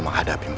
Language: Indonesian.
jangan lupa cinta